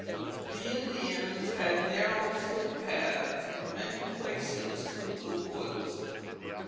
The Indians had narrow foot paths in many places through the woods.